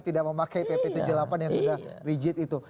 tidak mau pakai pp no tujuh puluh delapan yang sudah rigid itu